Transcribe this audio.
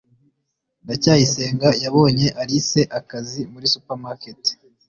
ndacyayisenga yabonye alice akazi muri supermarket